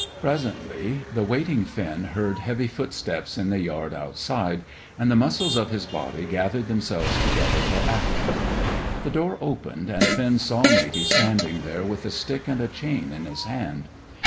Presently, the waiting Finn heard heavy footsteps in the yard outside, and the muscles of his body gathered themselves together for action. The door opened, and Finn saw Matey standing there with a stick and a chain in his hand.